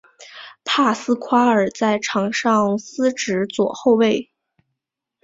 帕斯夸尔在场上司职左后卫。